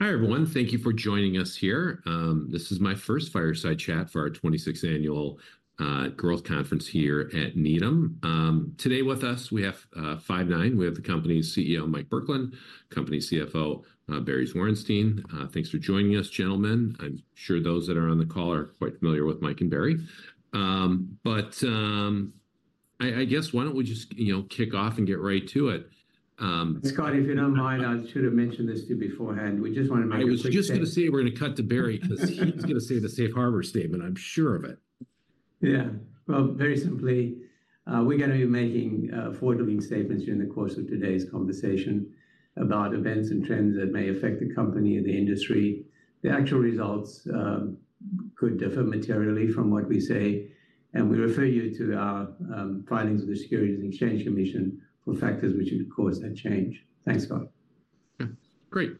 Hi, everyone. Thank you for joining us here. This is my first fireside chat for our 26th annual growth conference here at Needham. Today with us, we have Five9. We have the company's CEO, Mike Burkland, company CFO, Barry Zwarenstein. Thanks for joining us, gentlemen. I'm sure those that are on the call are quite familiar with Mike and Barry. But, I guess, why don't we just, you know, kick off and get right to it? Scott, if you don't mind, I should have mentioned this to you beforehand. We just wanted to make a quick- I was just gonna say we're gonna cut to Barry 'cause he's gonna say the safe harbor statement, I'm sure of it. Yeah. Well, very simply, we're gonna be making forward-looking statements during the course of today's conversation about events and trends that may affect the company or the industry. The actual results could differ materially from what we say, and we refer you to our filings with the Securities and Exchange Commission for factors which would cause that change. Thanks, Scott. Yeah, great.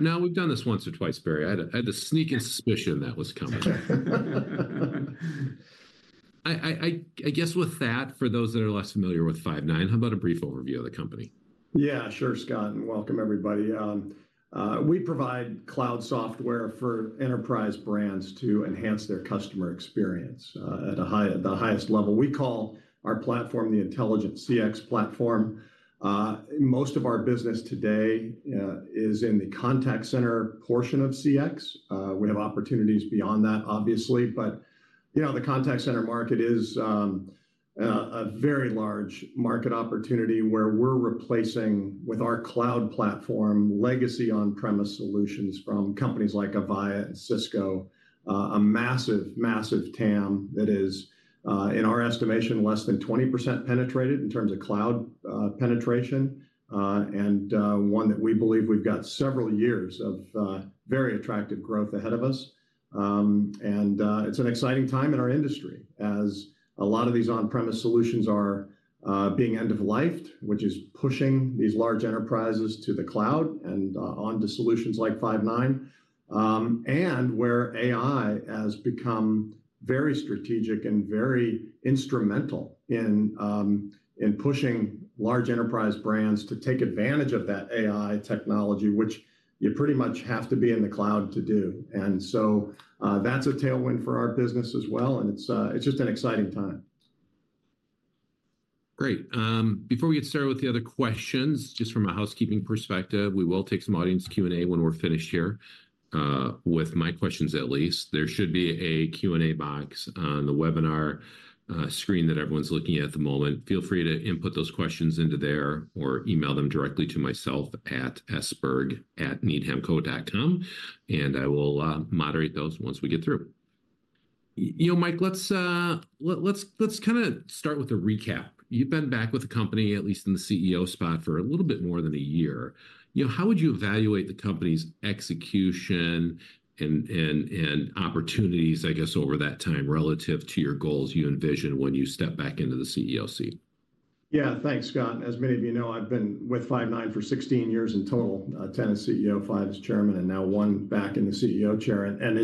Now we've done this once or twice, Barry. I had a sneaking suspicion that was coming. I guess with that, for those that are less familiar with Five9, how about a brief overview of the company? Yeah, sure, Scott, and welcome, everybody. We provide cloud software for enterprise brands to enhance their customer experience at the highest level. We call our platform the Intelligent CX Platform. Most of our business today is in the contact center portion of CX. We have opportunities beyond that, obviously, but, you know, the contact center market is a very large market opportunity, where we're replacing, with our cloud platform, legacy on-premise solutions from companies like Avaya and Cisco. A massive, massive TAM that is, in our estimation, less than 20% penetrated in terms of cloud penetration, and one that we believe we've got several years of very attractive growth ahead of us. It's an exciting time in our industry, as a lot of these on-premise solutions are being end of lifed, which is pushing these large enterprises to the cloud and onto solutions like Five9. And where AI has become very strategic and very instrumental in pushing large enterprise brands to take advantage of that AI technology, which you pretty much have to be in the cloud to do. So, that's a tailwind for our business as well, and it's just an exciting time. Great. Before we get started with the other questions, just from a housekeeping perspective, we will take some audience Q&A when we're finished here with my questions at least. There should be a Q&A box on the webinar screen that everyone's looking at the moment. Feel free to input those questions into there, or email them directly to myself at sberg@needhamco.com, and I will moderate those once we get through. You know, Mike, let's kind of start with a recap. You've been back with the company, at least in the CEO spot, for a little bit more than a year. You know, how would you evaluate the company's execution and opportunities, I guess, over that time, relative to your goals you envisioned when you stepped back into the CEO seat? Yeah, thanks, Scott. As many of you know, I've been with Five9 for 16 years in total, 10 as CEO, 5 as chairman, and now 1 back in the CEO chair. And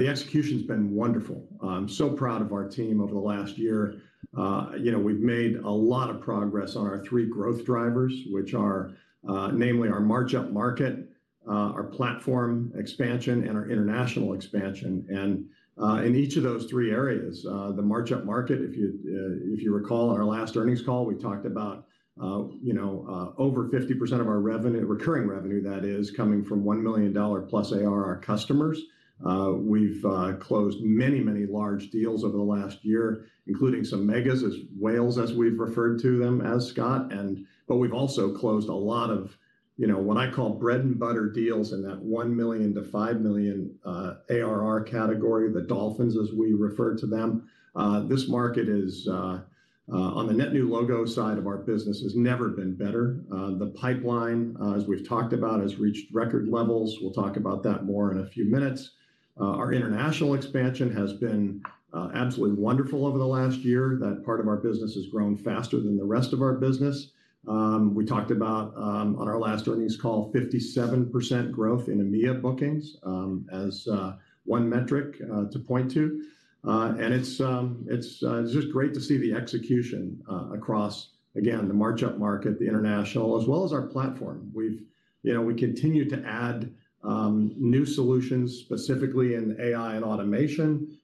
the execution's been wonderful. I'm so proud of our team over the last year. You know, we've made a lot of progress on our 3 growth drivers, which are, namely our marching upmarket, our platform expansion, and our international expansion. And in each of those 3 areas, the marching upmarket, if you recall on our last earnings call, we talked about, you know, over 50% of our revenue, recurring revenue that is, coming from $1 million+ ARR customers. We've closed many, many large deals over the last year, including some megas, as whales, as we've referred to them as Scott, but we've also closed a lot of, you know, what I call bread-and-butter deals in that $1 million-$5 million ARR category, the dolphins, as we refer to them. This market, on the net new logo side of our business, has never been better. The pipeline, as we've talked about, has reached record levels. We'll talk about that more in a few minutes. Our international expansion has been absolutely wonderful over the last year. That part of our business has grown faster than the rest of our business. We talked about, on our last earnings call, 57% growth in EMEA bookings, as one metric to point two. It's just great to see the execution across, again, the mid-market, the international, as well as our platform. You know, we continue to add new solutions, specifically in AI and automation.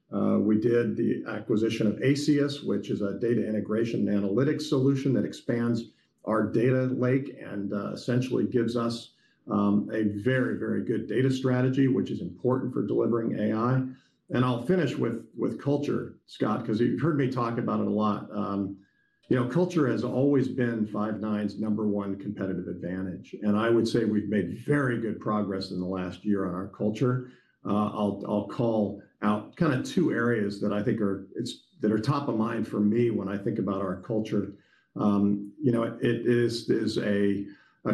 We did the acquisition of Aceyus, which is a data integration and analytics solution that expands our data lake and essentially gives us a very, very good data strategy, which is important for delivering AI. And I'll finish with culture, Scott, 'cause you've heard me talk about it a lot. You know, culture has always been Five9's number one competitive advantage, and I would say we've made very good progress in the last year on our culture. I'll call out kind of two areas that I think are top of mind for me when I think about our culture. You know, it is a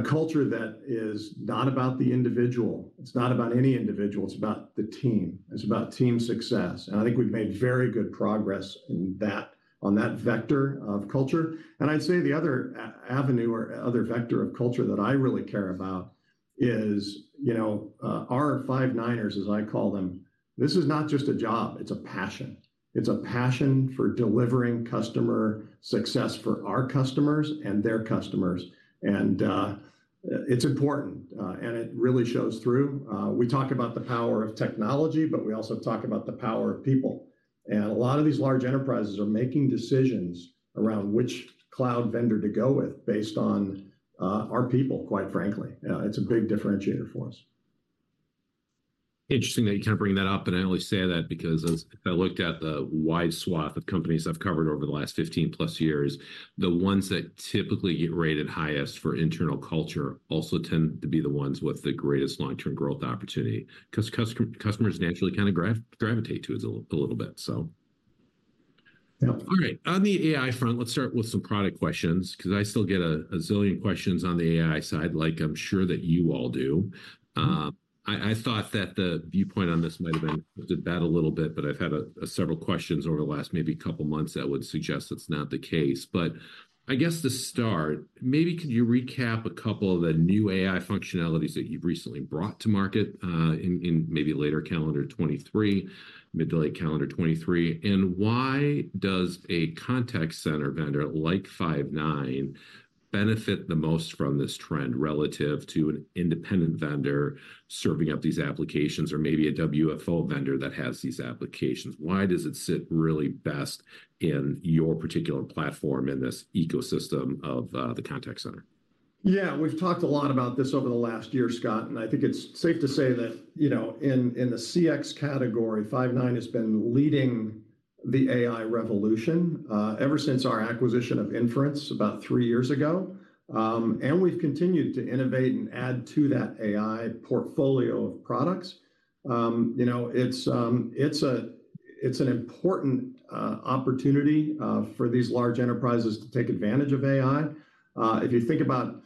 culture that is not about the individual. It's not about any individual; it's about the team. It's about team success, and I think we've made very good progress in that on that vector of culture. And I'd say the other avenue or other vector of culture that I really care about is, you know, our Five9ers, as I call them. This is not just a job, it's a passion. It's a passion for delivering customer success for our customers and their customers, and it's important, and it really shows through. We talk about the power of technology, but we also talk about the power of people. And a lot of these large enterprises are making decisions around which cloud vendor to go with based on our people, quite frankly. It's a big differentiator for us. Interesting that you kind of bring that up, and I only say that because as I looked at the wide swath of companies I've covered over the last 15+ years, the ones that typically get rated highest for internal culture also tend to be the ones with the greatest long-term growth opportunity. 'Cause customers naturally kind of gravitate to it a little, a little bit, so. Yep. All right. On the AI front, let's start with some product questions, 'cause I still get a zillion questions on the AI side, like I'm sure that you all do. I thought that the viewpoint on this might have been improved a bit a little bit, but I've had several questions over the last maybe couple months that would suggest that's not the case. But I guess to start, maybe could you recap a couple of the new AI functionalities that you've recently brought to market, in maybe later calendar 2023, mid to late calendar 2023? And why does a contact center vendor like Five9 benefit the most from this trend relative to an independent vendor serving up these applications, or maybe a WFO vendor that has these applications? Why does it sit really best in your particular platform in this ecosystem of the contact center? Yeah, we've talked a lot about this over the last year, Scott, and I think it's safe to say that, you know, in the CX category, Five9 has been leading the AI revolution ever since our acquisition of Inference about three years ago. And we've continued to innovate and add to that AI portfolio of products. You know, it's an important opportunity for these large enterprises to take advantage of AI. If you think about,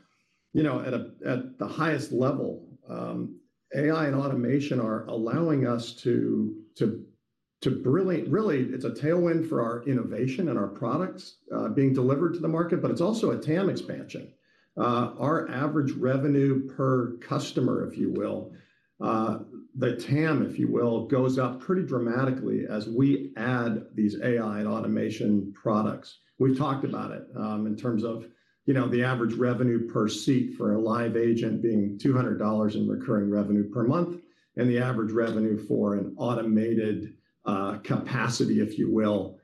you know, at the highest level, AI and automation are allowing us to really it's a tailwind for our innovation and our products being delivered to the market, but it's also a TAM expansion. Our average revenue per customer, if you will, the TAM, if you will, goes up pretty dramatically as we add these AI and automation products. We've talked about it, in terms of, you know, the average revenue per seat for a live agent being $200 in recurring revenue per month, and the average revenue for an automated capacity, if you will,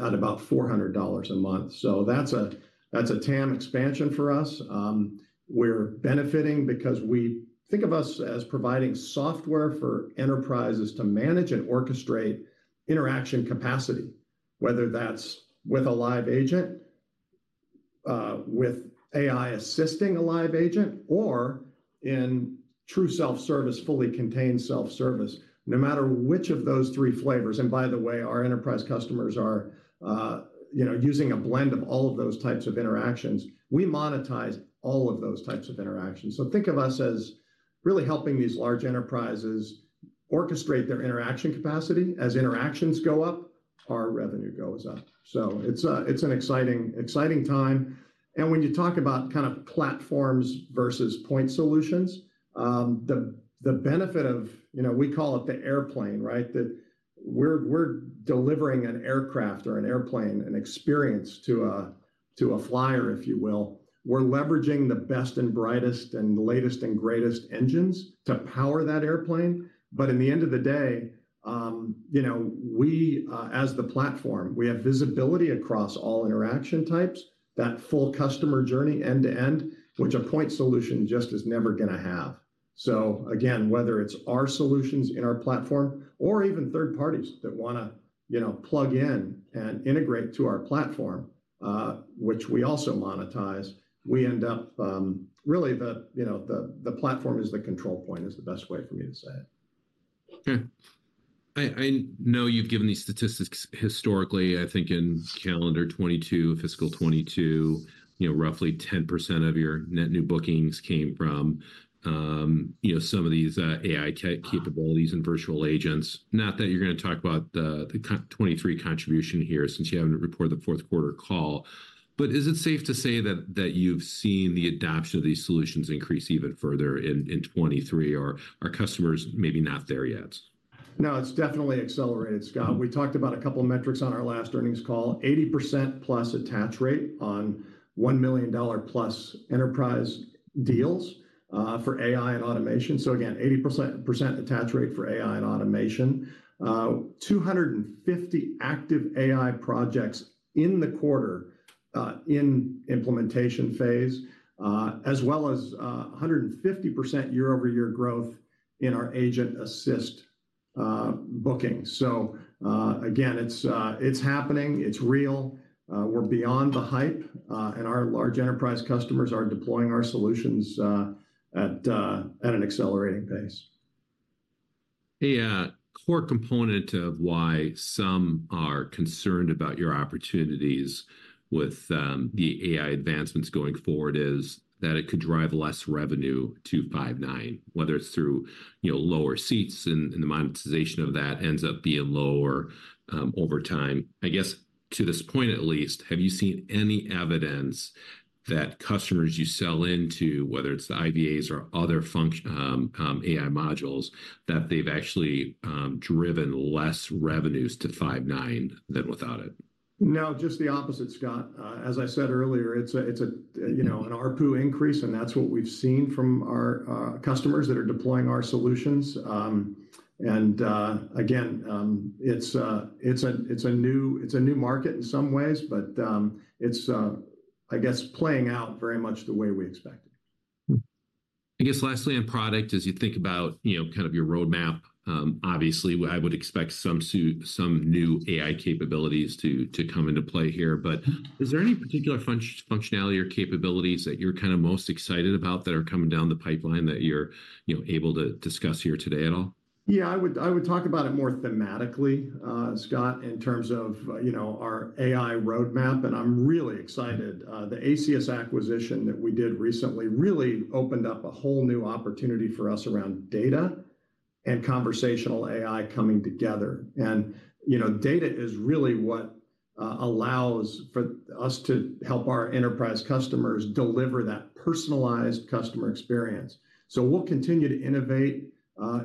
at about $400 a month. So that's a TAM expansion for us. We're benefiting because we... Think of us as providing software for enterprises to manage and orchestrate interaction capacity, whether that's with a live agent, with AI assisting a live agent, or in true self-service, fully contained self-service. No matter which of those three flavors, and by the way, our enterprise customers are, you know, using a blend of all of those types of interactions, we monetize all of those types of interactions. So think of us as really helping these large enterprises orchestrate their interaction capacity. As interactions go up, our revenue goes up. So it's a, it's an exciting, exciting time. And when you talk about kind of platforms versus point solutions, the benefit of, you know, we call it the airplane, right? That we're delivering an aircraft or an airplane, an experience to a flyer, if you will. We're leveraging the best and brightest and the latest and greatest engines to power that airplane. But in the end of the day, you know, we, as the platform, we have visibility across all interaction types, that full customer journey end-to-end, which a point solution just is never gonna have. So again, whether it's our solutions in our platform or even third parties that wanna, you know, plug in and integrate to our platform, which we also monetize, we end up... Really the, you know, the, the platform is the control point, is the best way for me to say it. Okay. I know you've given these statistics historically. I think in calendar 2022, fiscal 2022, you know, roughly 10% of your net new bookings came from, you know, some of these AI capabilities and virtual agents. Not that you're gonna talk about the '23 contribution here, since you haven't reported the fourth quarter call, but is it safe to say that you've seen the adoption of these solutions increase even further in '23, or are customers maybe not there yet? No, it's definitely accelerated, Scott. We talked about a couple of metrics on our last earnings call. 80%+ attach rate on $1 million+ enterprise deals for AI and automation. So again, 80% attach rate for AI and automation. 250 active AI projects in the quarter in implementation phase as well as 150% year-over-year growth in our Agent Assist bookings. So again, it's happening, it's real, we're beyond the hype and our large enterprise customers are deploying our solutions at an accelerating pace. A core component of why some are concerned about your opportunities with the AI advancements going forward is that it could drive less revenue to Five9, whether it's through, you know, lower seats and the monetization of that ends up being lower over time. I guess, to this point at least, have you seen any evidence that customers you sell into, whether it's the IVAs or other function AI modules, that they've actually driven less revenues to Five9 than without it?... No, just the opposite, Scott. As I said earlier, it's, you know, an ARPU increase, and that's what we've seen from our customers that are deploying our solutions. And again, it's a new market in some ways, but it's, I guess, playing out very much the way we expected. Hmm. I guess lastly on product, as you think about, you know, kind of your roadmap, obviously, I would expect some new AI capabilities to come into play here. But is there any particular functionality or capabilities that you're kind of most excited about that are coming down the pipeline that you're, you know, able to discuss here today at all? Yeah, I would, I would talk about it more thematically, Scott, in terms of, you know, our AI roadmap, and I'm really excited. The Aceyus acquisition that we did recently really opened up a whole new opportunity for us around data and conversational AI coming together. And, you know, data is really what allows for us to help our enterprise customers deliver that personalized customer experience. So we'll continue to innovate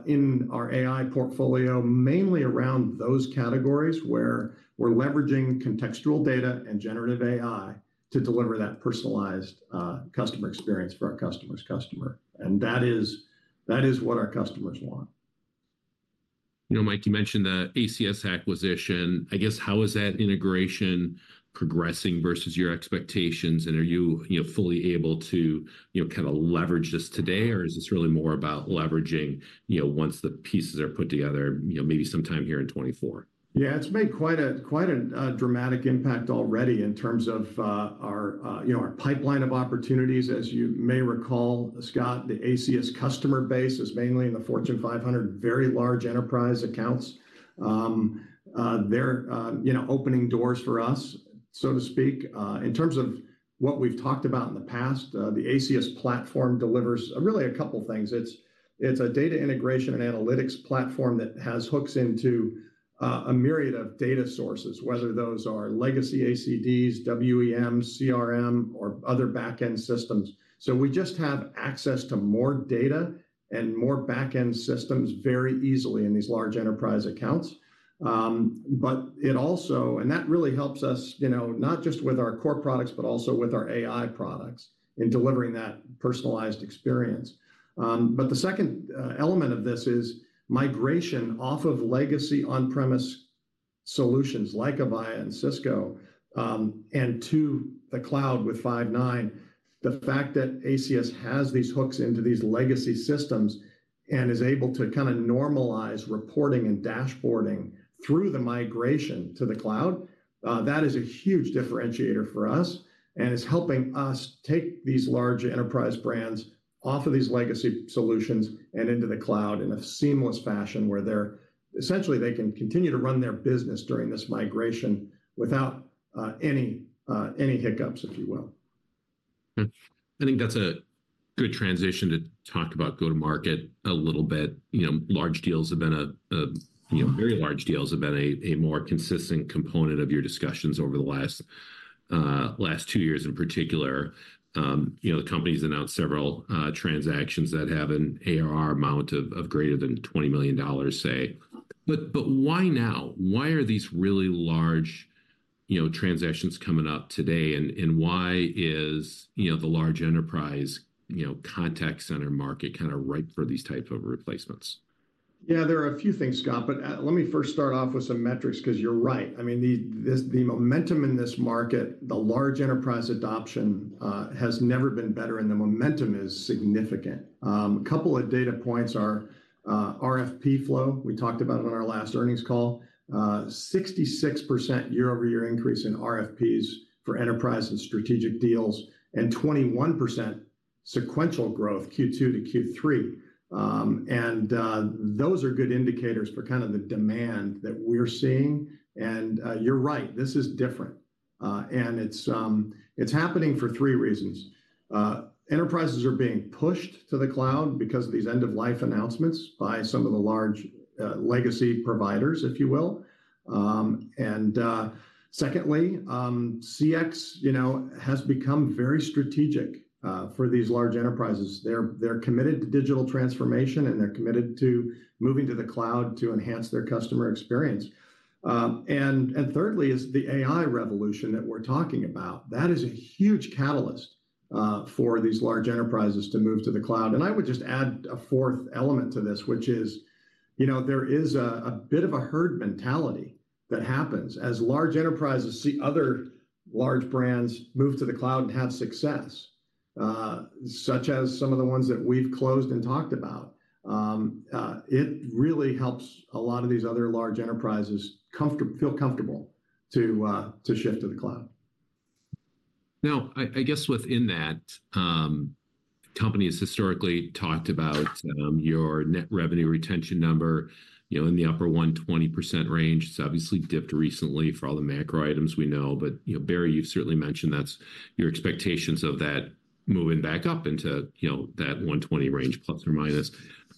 in our AI portfolio, mainly around those categories, where we're leveraging contextual data and generative AI to deliver that personalized customer experience for our customer's customer. And that is, that is what our customers want. You know, Mike, you mentioned the Aceyus acquisition. I guess, how is that integration progressing versus your expectations? And are you, you know, fully able to, you know, kind of leverage this today, or is this really more about leveraging, you know, once the pieces are put together, you know, maybe sometime here in 2024? Yeah, it's made quite a dramatic impact already in terms of, you know, our pipeline of opportunities. As you may recall, Scott, the Aceyus customer base is mainly in the Fortune 500, very large enterprise accounts. They're, you know, opening doors for us, so to speak. In terms of what we've talked about in the past, the Aceyus platform delivers really a couple things. It's a data integration and analytics platform that has hooks into a myriad of data sources, whether those are legacy ACDs, WEM, CRM, or other backend systems. So we just have access to more data and more backend systems very easily in these large enterprise accounts. But it also... That really helps us, you know, not just with our core products, but also with our AI products in delivering that personalized experience. But the second element of this is migration off of legacy on-premise solutions, like Avaya and Cisco, and to the cloud with Five9. The fact that Aceyus has these hooks into these legacy systems and is able to kind of normalize reporting and dashboarding through the migration to the cloud, that is a huge differentiator for us, and it's helping us take these large enterprise brands off of these legacy solutions and into the cloud in a seamless fashion, where they're essentially they can continue to run their business during this migration without any hiccups, if you will. Hmm. I think that's a good transition to talk about go-to-market a little bit. You know, large deals have been a Yeah ... you know, very large deals have been a more consistent component of your discussions over the last two years in particular. You know, the company's announced several transactions that have an ARR amount of greater than $20 million, say. But why now? Why are these really large, you know, transactions coming up today, and why is, you know, the large enterprise, you know, contact center market kind of ripe for these type of replacements? Yeah, there are a few things, Scott, but let me first start off with some metrics, 'cause you're right. I mean, this the momentum in this market, the large enterprise adoption, has never been better, and the momentum is significant. Couple of data points are, RFP flow, we talked about it on our last earnings call. 66% year-over-year increase in RFPs for enterprise and strategic deals, and 21% sequential growth, Q2 to Q3. And those are good indicators for kind of the demand that we're seeing. And you're right, this is different, and it's it's happening for three reasons. Enterprises are being pushed to the cloud because of these end-of-life announcements by some of the large, legacy providers, if you will. And, secondly, CX, you know, has become very strategic for these large enterprises. They're committed to digital transformation, and they're committed to moving to the cloud to enhance their customer experience. Thirdly is the AI revolution that we're talking about. That is a huge catalyst for these large enterprises to move to the cloud. And I would just add a fourth element to this, which is, you know, there is a bit of a herd mentality that happens as large enterprises see other large brands move to the cloud and have success, such as some of the ones that we've closed and talked about. It really helps a lot of these other large enterprises feel comfortable to shift to the cloud. Now, I guess within that, company has historically talked about your net revenue retention number, you know, in the upper 120% range. It's obviously dipped recently for all the macro items we know, but, you know, Barry, you've certainly mentioned that's your expectations of that moving back up into, you know, that 120% range, plus or minus.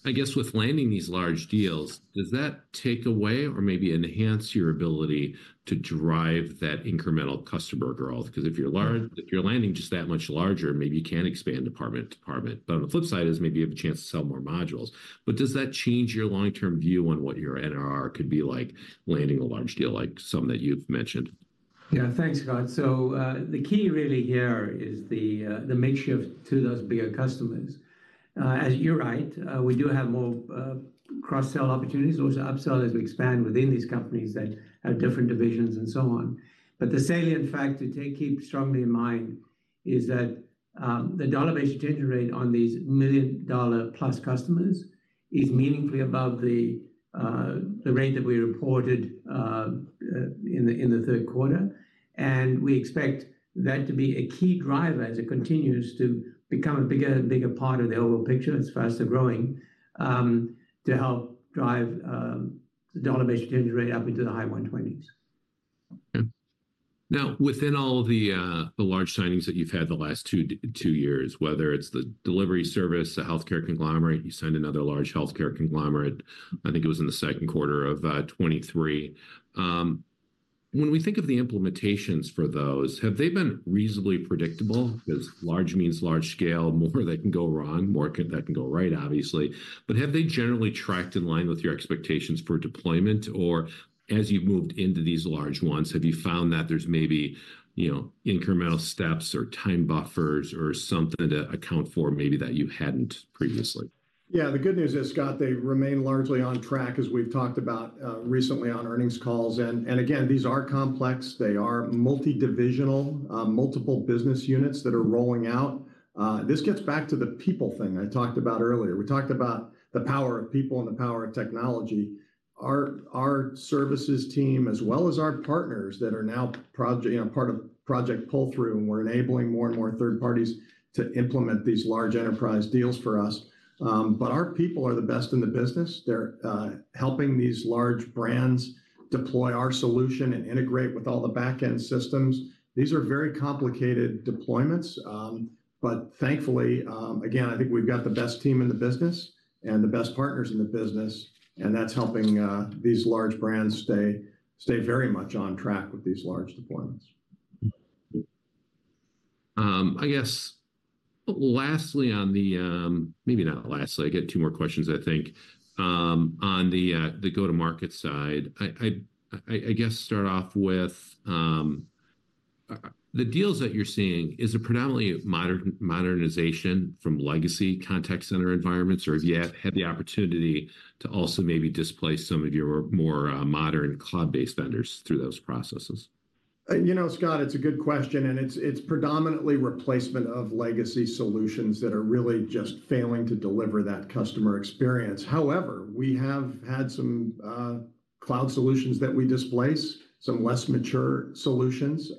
I guess, with landing these large deals, does that take away or maybe enhance your ability to drive that incremental customer growth? 'Cause if you're large, if you're landing just that much larger, maybe you can expand department to department. But on the flip side is maybe you have a chance to sell more modules. But does that change your long-term view on what your NRR could be like landing a large deal, like some that you've mentioned? ... Yeah, thanks, Scott. So, the key really here is the, the mix shift to those bigger customers. As you're right, we do have more, cross-sell opportunities or to upsell as we expand within these companies that have different divisions and so on. But the salient factor to keep strongly in mind is that, the dollar-based churn rate on these million-dollar-plus customers is meaningfully above the, the rate that we reported, in the, in the third quarter. And we expect that to be a key driver as it continues to become a bigger, bigger part of the overall picture as far as the growing, to help drive, the dollar-based churn rate up into the high 120s. Okay. Now, within all the, the large signings that you've had the last two years, whether it's the delivery service, the healthcare conglomerate, you signed another large healthcare conglomerate, I think it was in the second quarter of 2023. When we think of the implementations for those, have they been reasonably predictable? Because large means large scale, more that can go wrong, more that can go right, obviously. But have they generally tracked in line with your expectations for deployment, or as you've moved into these large ones, have you found that there's maybe, you know, incremental steps or time buffers or something to account for maybe that you hadn't previously? Yeah, the good news is, Scott, they remain largely on track, as we've talked about recently on earnings calls. And again, these are complex, they are multi-divisional, multiple business units that are rolling out. This gets back to the people thing I talked about earlier. We talked about the power of people and the power of technology. Our services team, as well as our partners that are now you know, part of Project Pull-through and we're enabling more and more third parties to implement these large enterprise deals for us. But our people are the best in the business. They're helping these large brands deploy our solution and integrate with all the back-end systems. These are very complicated deployments. But thankfully, again, I think we've got the best team in the business and the best partners in the business, and that's helping these large brands stay very much on track with these large deployments. I guess lastly, on the go-to-market side. Maybe not lastly, I got two more questions, I think. On the go-to-market side, I guess start off with the deals that you're seeing. Is it predominantly modernization from legacy contact center environments, or have you had the opportunity to also maybe displace some of your more modern cloud-based vendors through those processes? You know, Scott, it's a good question, and it's predominantly replacement of legacy solutions that are really just failing to deliver that customer experience. However, we have had some cloud solutions that we displace, some less mature solutions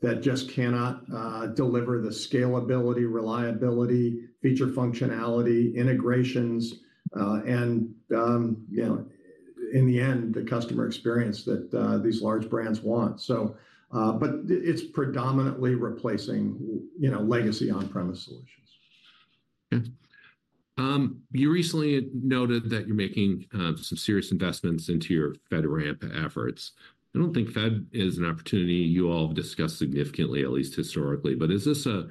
that just cannot deliver the scalability, reliability, feature functionality, integrations, and you know, in the end, the customer experience that these large brands want. So, but it's predominantly replacing, you know, legacy on-premise solutions. Okay. You recently noted that you're making some serious investments into your FedRAMP efforts. I don't think Fed is an opportunity you all have discussed significantly, at least historically, but is this a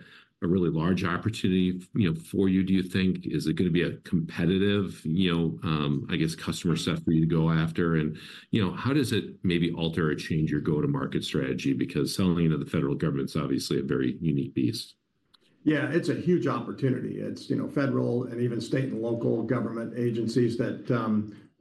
really large opportunity, you know, for you, do you think? Is it gonna be a competitive, you know, I guess, customer set for you to go after? And, you know, how does it maybe alter or change your go-to-market strategy? Because selling, you kno, to the federal government is obviously a very unique beast. Yeah, it's a huge opportunity. It's, you know, federal and even state and local government agencies that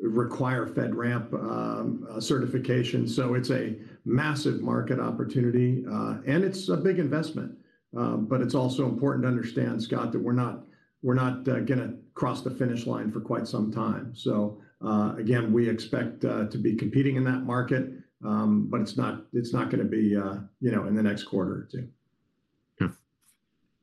require FedRAMP certification. So it's a massive market opportunity, and it's a big investment. But it's also important to understand, Scott, that we're not, we're not gonna cross the finish line for quite some time. So again, we expect to be competing in that market, but it's not, it's not gonna be, you know, in the next quarter or two. Yeah.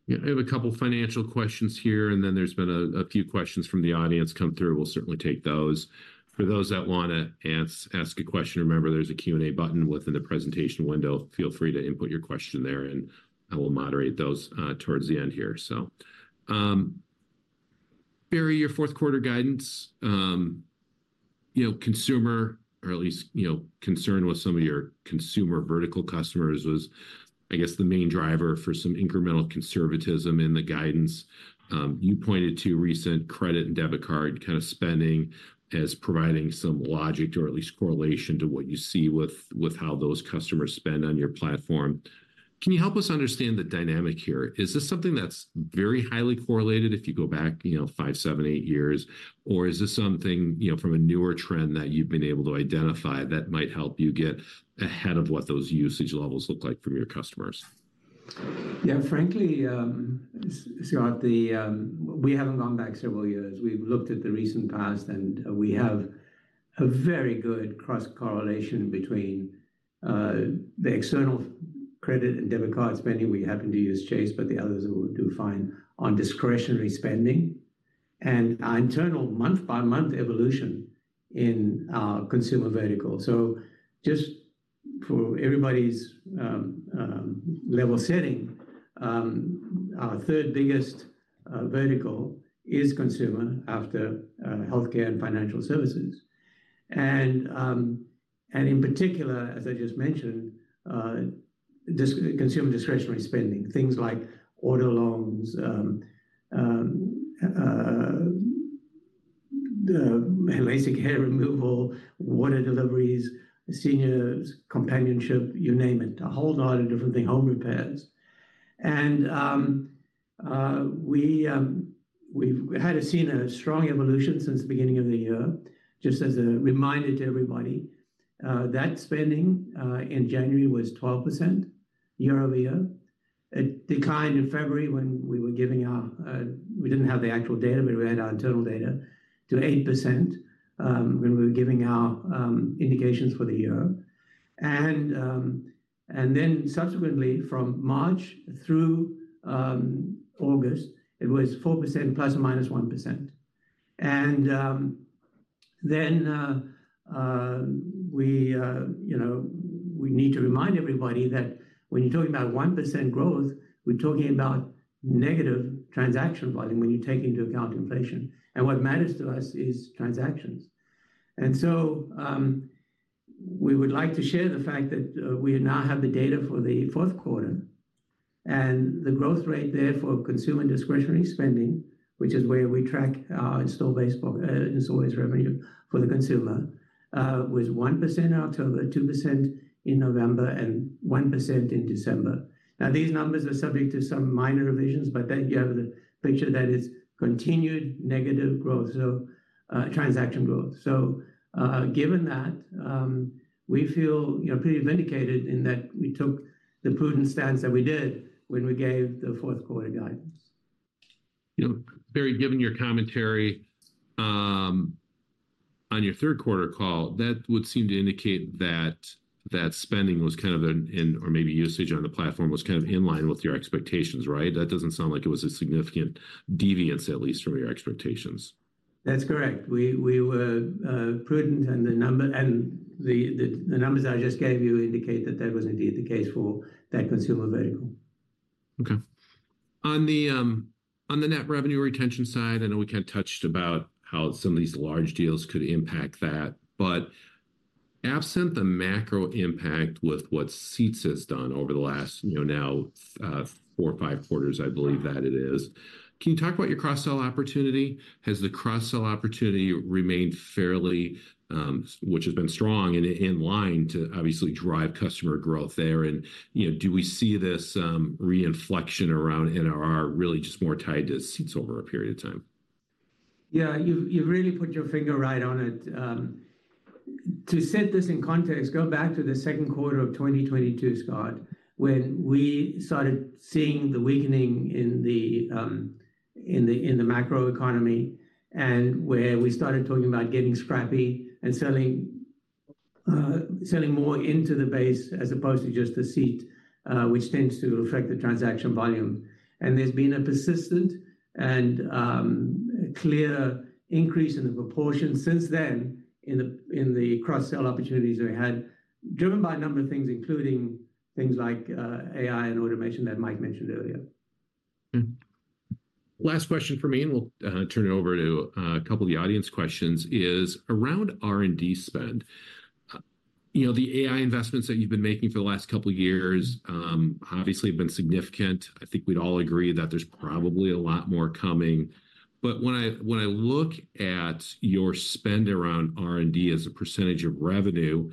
Yeah, I have a couple financial questions here, and then there's been a few questions from the audience come through. We'll certainly take those. For those that wanna ask a question, remember, there's a Q&A button within the presentation window. Feel free to input your question there, and I will moderate those towards the end here. So, Barry, your fourth quarter guidance, you know, consumer, or at least, you know, concerned with some of your consumer vertical customers, was, I guess, the main driver for some incremental conservatism in the guidance. You pointed to recent credit and debit card kind of spending as providing some logic or at least correlation to what you see with how those customers spend on your platform. Can you help us understand the dynamic here? Is this something that's very highly correlated if you go back, you know, 5, 7, 8 years? Or is this something, you know, from a newer trend that you've been able to identify that might help you get ahead of what those usage levels look like from your customers? Yeah, frankly, Scott... We haven't gone back several years. We've looked at the recent past, and we have a very good cross-correlation between the external credit and debit card spending. We happen to use Chase, but the others will do fine on discretionary spending and our internal month-by-month evolution in our consumer vertical. So just for everybody's level setting, our third biggest vertical is consumer after healthcare and financial services. And in particular, as I just mentioned, this consumer discretionary spending, things like auto loans, the laser hair removal, water deliveries, seniors, companionship, you name it, a whole lot of different things, home repairs. And we've had seen a strong evolution since the beginning of the year. Just as a reminder to everybody, that spending in January was 12% year-over-year. It declined in February when we were giving our, we didn't have the actual data, we read our internal data, to 8%, when we were giving our, indications for the year. And then subsequently, from March through August, it was 4% ±1%. Then, you know, we need to remind everybody that when you're talking about 1% growth, we're talking about negative transaction volume when you take into account inflation, and what matters to us is transactions. We would like to share the fact that we now have the data for the fourth quarter, and the growth rate there for consumer discretionary spending, which is where we track our installed base revenue for the consumer, was 1% in October, 2% in November, and 1% in December. Now, these numbers are subject to some minor revisions, but then you have the picture that is continued negative growth, so transaction growth. Given that, we feel, you know, pretty vindicated in that we took the prudent stance that we did when we gave the fourth quarter guidance. You know, Barry, given your commentary on your third quarter call, that would seem to indicate that spending was kind of or maybe usage on the platform was kind of in line with your expectations, right? That doesn't sound like it was a significant deviance, at least from your expectations. That's correct. We were prudent, and the numbers I just gave you indicate that that was indeed the case for that consumer vertical. Okay. On the, on the net revenue retention side, I know we kind of touched about how some of these large deals could impact that, but absent the macro impact with what seats has done over the last, you know, now, four or five quarters, I believe that it is. Can you talk about your cross-sell opportunity? Has the cross-sell opportunity remained fairly, which has been strong and in line to obviously drive customer growth there, and, you know, do we see this, reinflection around NRR really just more tied to seats over a period of time? Yeah, you've really put your finger right on it. To set this in context, go back to the second quarter of 2022, Scott, when we started seeing the weakening in the macroeconomy, and where we started talking about getting scrappy and selling more into the base as opposed to just the seat, which tends to affect the transaction volume. And there's been a persistent and clear increase in the proportion since then in the cross-sell opportunities we had, driven by a number of things, including things like AI and automation that Mike mentioned earlier. Mm-hmm. Last question from me, and we'll turn it over to a couple of the audience questions, is around R&D spend. You know, the AI investments that you've been making for the last couple of years, obviously have been significant. I think we'd all agree that there's probably a lot more coming. But when I look at your spend around R&D as a percentage of revenue,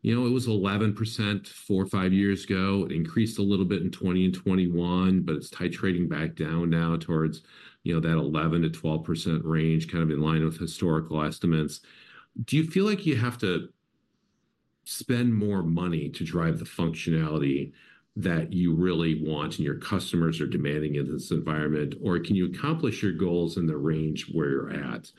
you know, it was 11% four or five years ago, increased a little bit in 2020 and 2021, but it's titrating back down now towards, you know, that 11%-12% range, kind of in line with historical estimates. Do you feel like you have to spend more money to drive the functionality that you really want, and your customers are demanding in this environment? Or can you accomplish your goals in the range where you're at?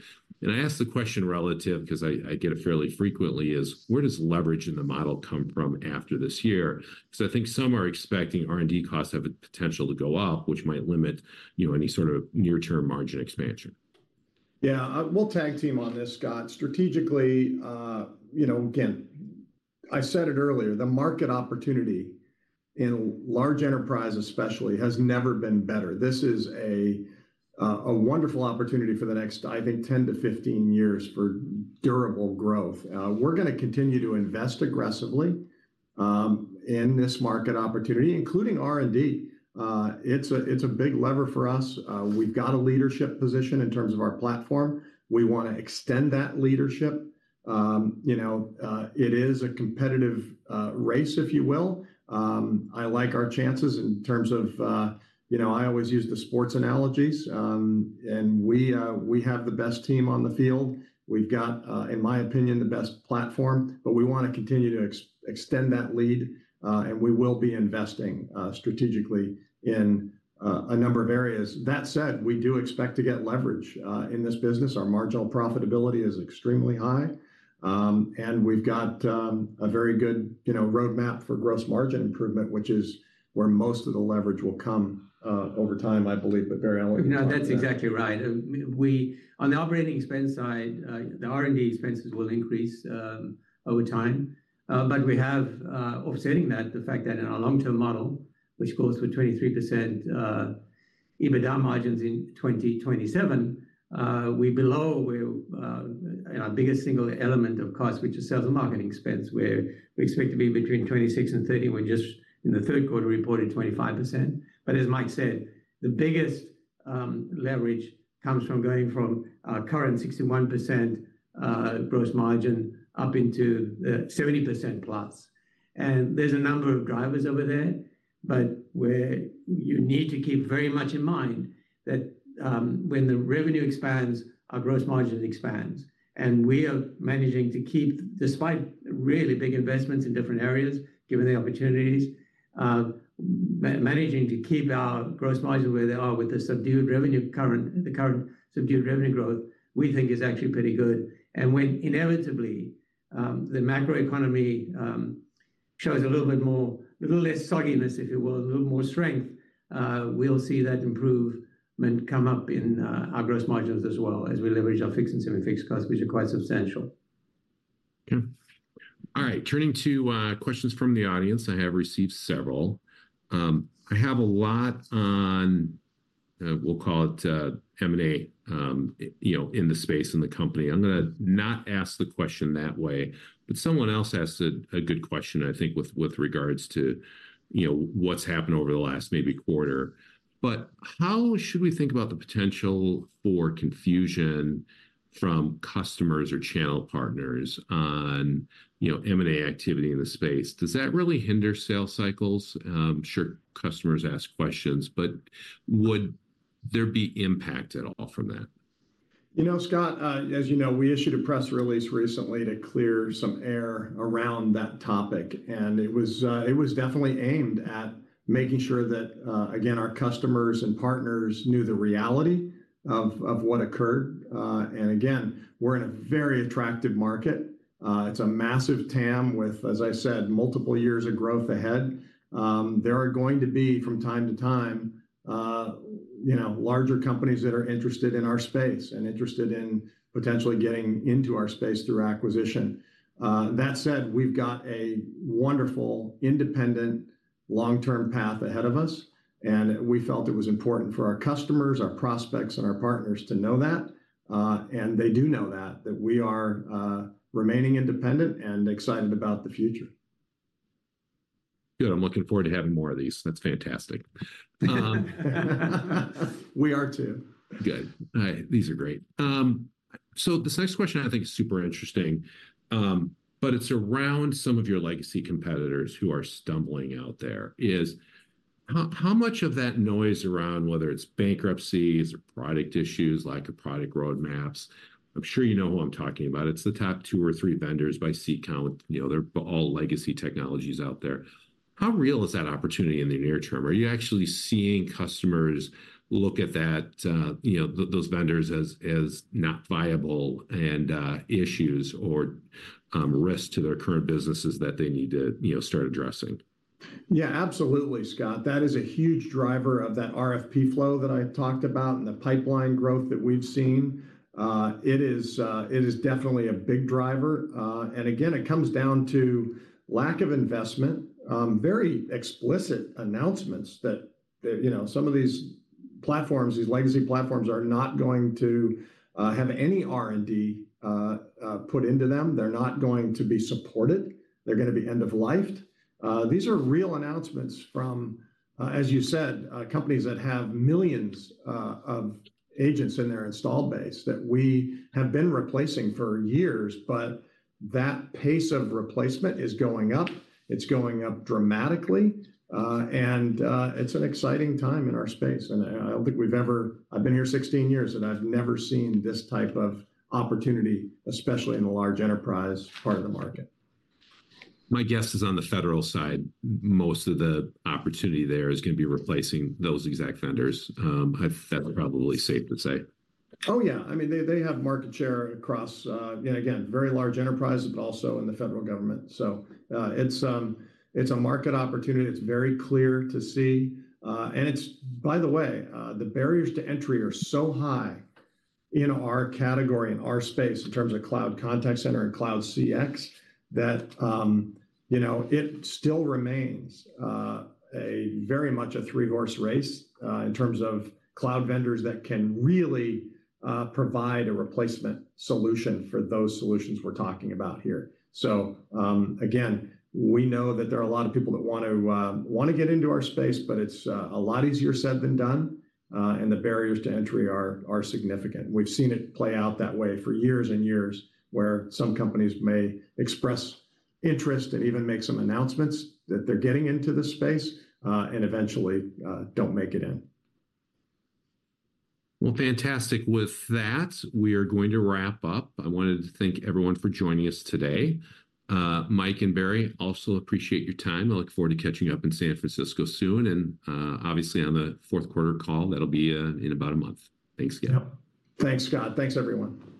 And I ask the question relative, because I, I get it fairly frequently, is where does leverage in the model come from after this year? So I think some are expecting R&D costs have a potential to go up, which might limit, you know, any sort of near-term margin expansion. Yeah, we'll tag team on this, Scott. Strategically, you know, again, I said it earlier, the market opportunity in large enterprise especially has never been better. This is a wonderful opportunity for the next, I think, 10-15 years for durable growth. We're gonna continue to invest aggressively in this market opportunity, including R&D. It's a big lever for us. We've got a leadership position in terms of our platform. We wanna extend that leadership. You know, it is a competitive race, if you will. I like our chances in terms of, you know, I always use the sports analogies, and we have the best team on the field. We've got, in my opinion, the best platform, but we wanna continue to extend that lead, and we will be investing strategically in a number of areas. That said, we do expect to get leverage in this business. Our marginal profitability is extremely high, and we've got a very good, you know, roadmap for gross margin improvement, which is where most of the leverage will come over time, I believe. But Barry, I'll let you talk about that. No, that's exactly right. On the operating expense side, the R&D expenses will increase over time. But we have offsetting that, the fact that in our long-term model, which calls for 23% EBITDA margins in 2027, we're below where in our biggest single element of cost, which is sales and marketing expense, where we expect to be between 26 and 30, and we just, in the third quarter, reported 25%. But as Mike said, the biggest leverage comes from going from our current 61% gross margin up into 70% plus. And there's a number of drivers over there, but where you need to keep very much in mind that when the revenue expands, our gross margin expands. We are managing to keep, despite really big investments in different areas, given the opportunities, managing to keep our gross margin where they are with the subdued revenue current, the current subdued revenue growth, we think is actually pretty good. And when inevitably, the macroeconomy shows a little less sogginess, if you will, a little more strength, we'll see that improvement come up in our gross margins as well, as we leverage our fixed and semi-fixed costs, which are quite substantial. Okay. All right, turning to questions from the audience, I have received several. I have a lot on, we'll call it, M&A, you know, in the space, in the company. I'm gonna not ask the question that way, but someone else asked a good question, I think, with regards to, you know, what's happened over the last maybe quarter. But how should we think about the potential for confusion from customers or channel partners on, you know, M&A activity in the space? Does that really hinder sales cycles? I'm sure customers ask questions, but would there be impact at all from that? You know, Scott, as you know, we issued a press release recently to clear some air around that topic, and it was, it was definitely aimed at making sure that, again, our customers and partners knew the reality of, of what occurred. And again, we're in a very attractive market. It's a massive TAM with, as I said, multiple years of growth ahead. There are going to be, from time to time, you know, larger companies that are interested in our space and interested in potentially getting into our space through acquisition. That said, we've got a wonderful, independent, long-term path ahead of us, and we felt it was important for our customers, our prospects, and our partners to know that. And they do know that, that we are, remaining independent and excited about the future. Good. I'm looking forward to having more of these. That's fantastic. We are, too. Good. All right, these are great. So this next question I think is super interesting, but it's around some of your legacy competitors who are stumbling out there, is: How much of that noise around, whether it's bankruptcies or product issues, lack of product roadmaps... I'm sure you know who I'm talking about. It's the top two or three vendors by seat count. You know, they're all legacy technologies out there. How real is that opportunity in the near term? Are you actually seeing customers look at that, you know, those vendors as not viable and issues or risk to their current businesses that they need to, you know, start addressing? Yeah, absolutely, Scott. That is a huge driver of that RFP flow that I talked about and the pipeline growth that we've seen. It is definitely a big driver. And again, it comes down to lack of investment, very explicit announcements that you know, some of these platforms, these legacy platforms, are not going to have any R&D put into them. They're not going to be supported. They're gonna be end-of-lifed. These are real announcements from, as you said, companies that have millions of agents in their installed base that we have been replacing for years, but that pace of replacement is going up. It's going up dramatically, and it's an exciting time in our space, and I don't think we've ever... I've been here 16 years, and I've never seen this type of opportunity, especially in the large enterprise part of the market. My guess is on the federal side, most of the opportunity there is gonna be replacing those exact vendors. That's probably safe to say. Oh, yeah. I mean, they, they have market share across, and again, very large enterprise, but also in the federal government. So, it's, it's a market opportunity. It's very clear to see, and it's... By the way, the barriers to entry are so high in our category and our space in terms of cloud contact center and cloud CX, that, you know, it still remains, a very much a three-horse race, in terms of cloud vendors that can really, provide a replacement solution for those solutions we're talking about here. So, again, we know that there are a lot of people that want to, want to get into our space, but it's, a lot easier said than done, and the barriers to entry are, are significant. We've seen it play out that way for years and years, where some companies may express interest and even make some announcements that they're getting into this space, and eventually, don't make it in. Well, fantastic. With that, we are going to wrap up. I wanted to thank everyone for joining us today. Mike and Barry, also appreciate your time. I look forward to catching up in San Francisco soon and, obviously on the fourth quarter call. That'll be, in about a month. Thanks again. Yep. Thanks, Scott. Thanks, everyone.